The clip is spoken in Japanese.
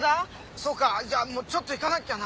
そうかじゃあちょっと行かなきゃな。